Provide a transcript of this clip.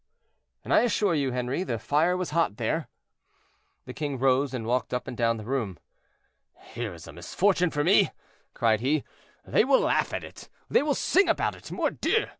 "And I assure you, Henri, the fire was hot there." The king rose and walked up and down the room. "Here is a misfortune for me," cried he; "they will laugh at it: they will sing about it. Mordieu!